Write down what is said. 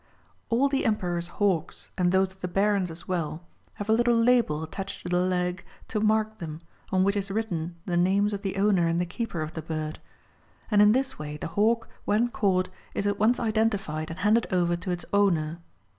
All the Emperor's hawks, and those of the Barons as well, have a little label attached to the leg to mark them, on which is written the names of the owner and the keeper of the bird. And in this way the hawk, when caught, is at once identified and handed over to its owner.